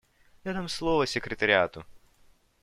Я дам слово секретариату.